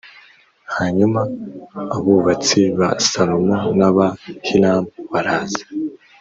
Hanyuma abubatsi ba Salomo n aba Hiramu baraza